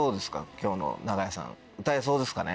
今日の長屋さん歌えそうですかね？